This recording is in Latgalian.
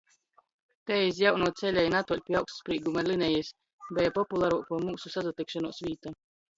Tei, iz jaunuo ceļa i natuoļ pi augstsprīguma linejis, beja popularuokuo myusu sasatikšonys vīta.